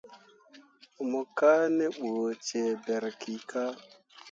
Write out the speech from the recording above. Mo kaa ne ɓu cee ɓǝrrikah.